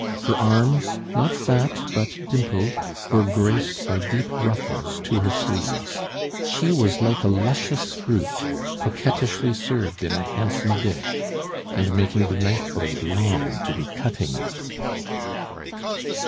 Her arms, not fat but dimpled, were graced by deep ruffles to her sleeves. She was like a luscious fruit coquettishly served in a handsome dish, and making the knife blade long to be cutting it.